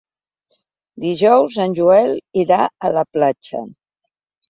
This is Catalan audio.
Dijous en Joel irà a la platja.